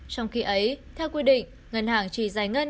trong khi ấy theo quy định ngân hàng chỉ giải ngân